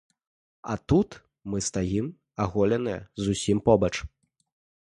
А тут мы стаім аголеныя, зусім побач.